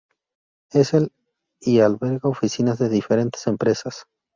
Es el y alberga oficinas de diferentes empresas.